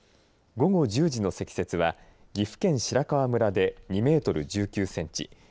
午後１０時の積雪は岐阜県白川村で２メートル１９センチ